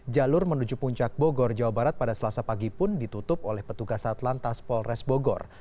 jalur menuju puncak bogor jawa barat pada selasa pagi pun ditutup oleh petugas atlantas polres bogor